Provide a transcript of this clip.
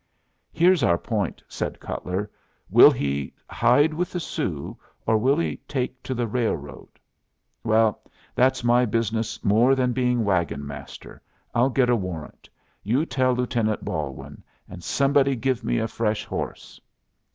"Here's our point," said Cutler. "Will he hide with the Sioux, or will he take to the railroad? Well, that's my business more than being wagon master. I'll get a warrant. You tell Lieutenant Balwin and somebody give me a fresh horse."